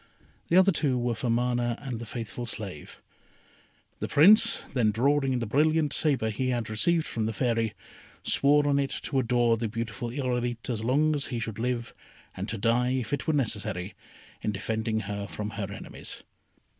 The other two were for Mana and the faithful slave. The Prince then drawing the brilliant sabre he had received from the Fairy, swore on it to adore the beautiful Irolite as long as he should live, and to die, if it were necessary, in defending her from her enemies.